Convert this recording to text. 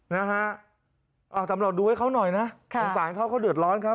นะฮะอ่าตำรวจดูให้เขาหน่อยนะสงสารเขาเขาเดือดร้อนครับ